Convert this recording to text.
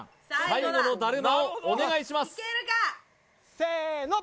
最後のだるまをお願いしますせーの！